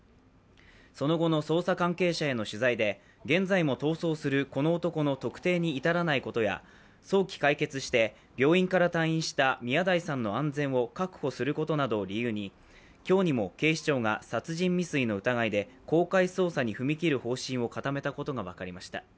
その後の捜査関係者への取材で、現在も逃走するこの男の特定に至らないことや、早期解決して病院から退院した宮台さんの安全を確保することなどを理由に今日にも警視庁が殺人未遂の疑いで公開捜査に踏み切る方針を固めたことが分かりました。